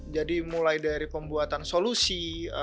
jadi mulai dari pembuatan solusi